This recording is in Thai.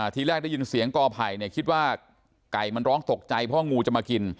ทีแรกได้ยินเสียงกอไผ่เนี่ยคิดว่าไก่มันร้องตกใจเพราะว่างูจะมากิน